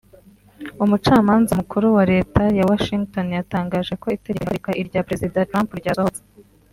umucamanza mukuru wa Leta ya Washington yatangaje ko itegeko rihagarika irya Prezida Trump ryasohotse